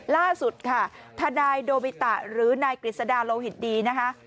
ล่าสุดค่ะทนายโดบิตะหรือนายกฤษดาโลหิตดีนะคะ